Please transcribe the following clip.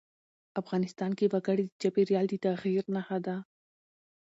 افغانستان کې وګړي د چاپېریال د تغیر نښه ده.